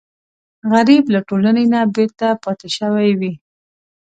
غریب له ټولنې نه بېرته پاتې شوی وي